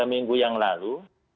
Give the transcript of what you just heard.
tiga minggu yang lalu